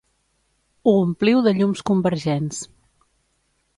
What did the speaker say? Ho ompliu de llums convergents.